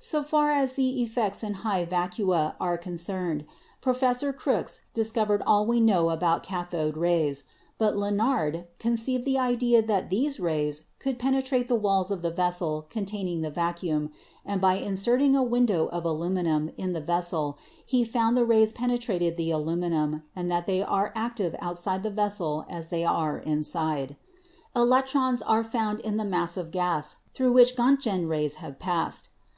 "So far as the effects in high vacua are concerned, Pro fessor Crookes discovered all we know about cathode rays, but Lenard conceived the idea that these rays could penetrate the walls of the vessel containing the vacuum, and by inserting a window of aluminium in the vessel he found the rays penetrated the aluminium and that they are active outside the vessel as they are inside. "Electrons are found in the mass of gas through which Rontgen rays have passed.